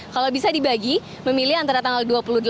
kalau bisa dibagi memilih antara tanggal dua puluh delapan